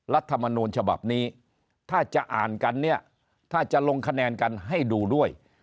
รัฐมนูลฉบับนี้ถ้าจะอ่านกันเนี่ยถ้าจะลงคะแนนกันให้ดูด้วย